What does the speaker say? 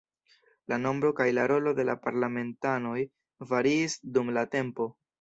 La nombro kaj la rolo de la parlamentanoj variis dum la tempo.